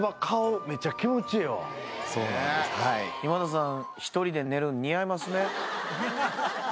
今田さん。